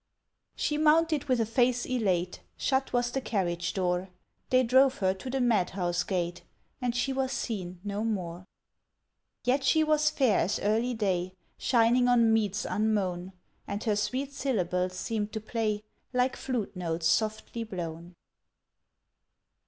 She mounted with a face elate, Shut was the carriage door; They drove her to the madhouse gate, And she was seen no more ... Yet she was fair as early day Shining on meads unmown, And her sweet syllables seemed to play Like flute notes softly blown.